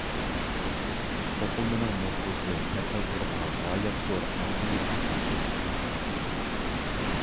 توقۇلمىنىڭ نوپۇزى تەسەۋۋۇرغا غايەت زور ئەركىنلىك ئاتا قىلىدۇ.